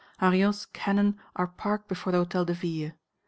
Hanriot's cannon are parked before the Hôtel de Ville.